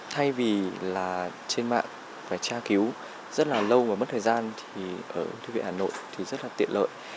thay vì là trên mạng phải tra cứu rất là lâu và mất thời gian thì ở thư viện hà nội thì rất là tiện lợi